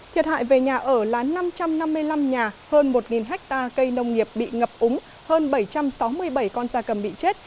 thiệt hại về nhà ở là năm trăm năm mươi năm nhà hơn một hectare cây nông nghiệp bị ngập úng hơn bảy trăm sáu mươi bảy con da cầm bị chết